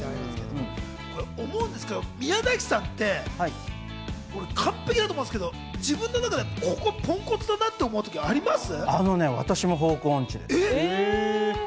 思うんですけど、宮崎さんって、完璧だと思うんですけれども、自分ってここがポンコツだなって思うところあります？